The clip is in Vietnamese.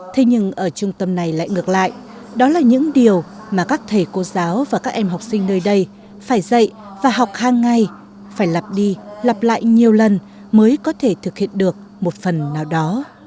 thế nhưng ở trung tâm này lại ngược lại đó là những điều mà các thầy cô giáo và các em học sinh nơi đây phải dạy và học hàng ngày phải lặp đi lặp lại nhiều lần mới có thể thực hiện được một phần nào đó